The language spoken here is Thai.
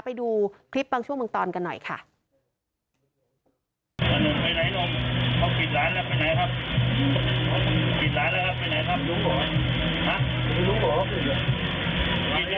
ใส่เนื้อโดนปล้วกด์พอสินะ